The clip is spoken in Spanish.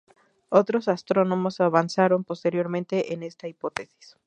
Otros astrónomos avanzaron posteriormente en esta hipótesis.